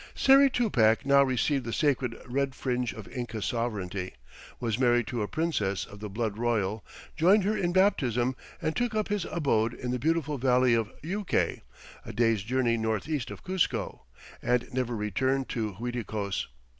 Sayri Tupac now received the sacred Red Fringe of Inca sovereignty, was married to a princess of the blood royal, joined her in baptism, and took up his abode in the beautiful valley of Yucay, a day's journey northeast of Cuzco, and never returned to Uiticos.